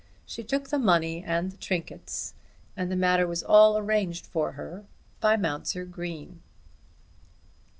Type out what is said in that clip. She took the money and the trinkets, and the matter was all arranged for her by Mounser Green.